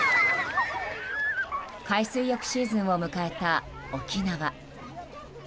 海水浴シーズンを迎えた沖縄。